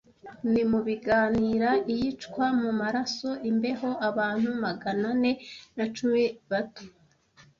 Ni mu biganira iyicwa mu maraso imbeho abantu magana ane na cumi bato.